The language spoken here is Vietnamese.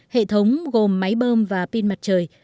hệ thống gồm máy bơm và pin mặt trời